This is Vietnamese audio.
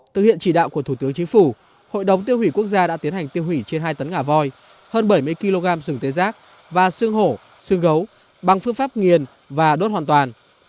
thực hiện chỉ đạo của thủ tướng chính phủ hội đồng tiêu hủy quốc gia đã tiến hành tiêu hủy trên hai tấn ngà voi hơn bảy mươi kg sừng tê giác và sương hổ xương gấu bằng phương pháp nghiền và đốt hoàn toàn